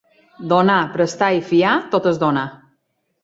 Donar, prestar i fiar... tot és donar.